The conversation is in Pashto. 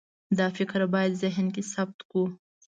دا فکر باید ذهن کې ثبت کړو.